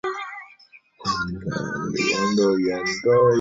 某些国家的警告标志是菱形的。